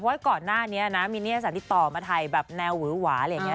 เพราะว่าก่อนหน้านี้นะมีนิตยาศาสตร์ที่ต่อมาถ่ายแบบแนวหวัวอย่างนี้